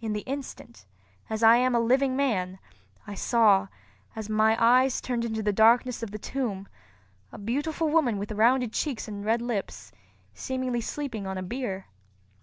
In the instant, as I am a living man, I saw, as my my eyes turned into the darkness of the tomb, a beautiful woman with rounded cheeks and red lips, seemingly sleeping on a bier.